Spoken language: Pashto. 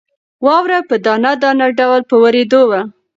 واوره په دانه دانه ډول په وورېدو وه.